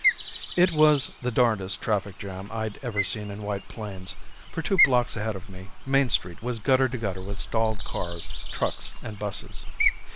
_ It was the darnedest traffic jam I'd ever seen in White Plains. For two blocks ahead of me, Main Street was gutter to gutter with stalled cars, trucks and buses.